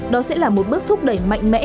đó sẽ là một bước thúc đẩy mạnh mẽ